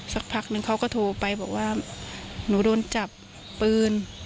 สักพักนึงเขาก็โทรไปบอกว่าหนูโดนจับปืน